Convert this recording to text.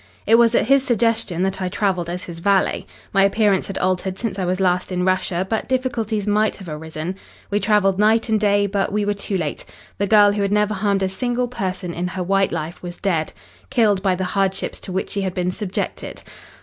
"It was at his suggestion that I travelled as his valet. My appearance had altered since I was last in Russia, but difficulties might have arisen. We travelled night and day, but we were too late. The girl who had never harmed a single person in her white life was dead killed by the hardships to which she had been subjected.